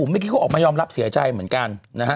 เมื่อกี้เขาออกมายอมรับเสียใจเหมือนกันนะฮะ